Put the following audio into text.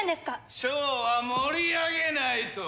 ショーは盛り上げないと！でしょ？